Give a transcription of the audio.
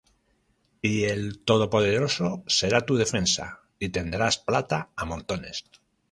Y el Todopoderoso será tu defensa, Y tendrás plata á montones.